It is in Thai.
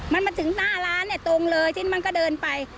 มันมาถึงหน้าร้านเนี่ยตรงเลยชิ้นมันก็เดินไป